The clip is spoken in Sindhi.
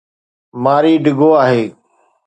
ماري ڊگهو آهي.